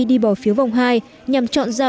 đi bỏ phiếu vòng hai nhằm chọn ra